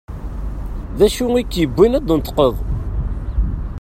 D acu i t-yewwin ad d-yenṭeq?